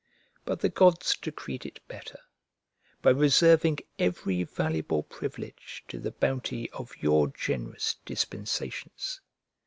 But the gods decreed it better, by reserving every valuable privilege to the bounty of your generous dispensations.